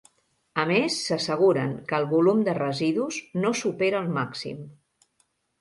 A més, s'asseguren que el volum de residus no supera el màxim.